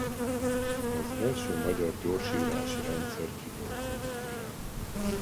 Az első magyar gyorsírási rendszer kidolgozója.